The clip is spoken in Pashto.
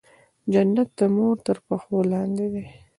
جنت د مور تر پښو لاندې دی